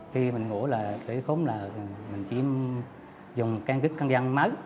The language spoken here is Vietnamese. khi mình ngủ là thẻ khốn là mình chỉ dùng căn cước công dân mới